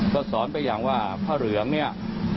ก็สอนไปอย่างว่าผ้าเหลืองเนี่ย